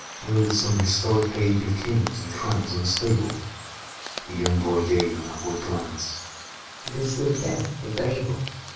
Or is it some historic page, Of kings and crowns unstable?" The young boy gave an upward glance,— "It is 'The Death of Abel.